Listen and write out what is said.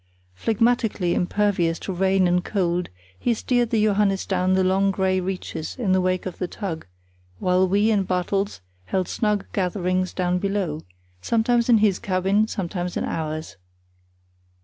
Phlegmatically impervious to rain and cold, he steered the Johannes down the long grey reaches in the wake of the tug, while we and Bartels held snug gatherings down below, sometimes in his cabin, sometimes in ours.